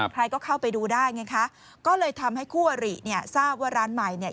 ใครก็เข้าไปดูได้ไงคะก็เลยทำให้คู่อริเนี่ยทราบว่าร้านใหม่เนี่ย